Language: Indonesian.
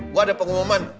gue ada pengumuman